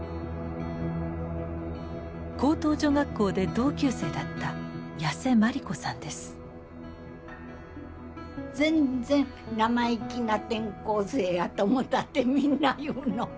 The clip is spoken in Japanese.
高等女学校で同級生だった全然生意気な転校生やと思ったってみんな言うの。